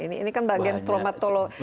ini kan bagian traumatologi